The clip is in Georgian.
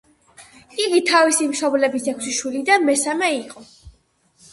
იგი თავისი მშობლების ექვსი შვილიდან მესამე იყო.